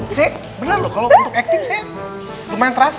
iya bener loh kalau untuk acting saya lumayan terasa